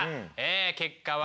結果は。